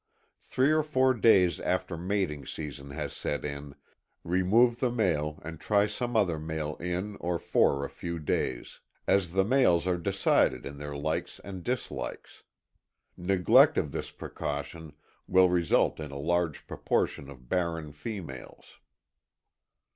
Three or four days after mating season has set in, remove the male and try some other male in, or for a few days. As the males are decided in their likes and dislikes. Neglect of this precaution will result in a large proportion of barren females.